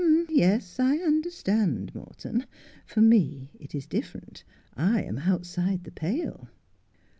Yes, I understand, Morton — for me it is different. I am outside the pale.'